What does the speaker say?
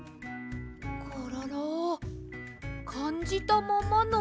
コロロかんじたままのリンゴ。